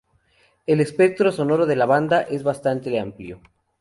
El espectro sonoro de la banda es bastante amplio.